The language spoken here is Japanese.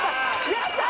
やったー！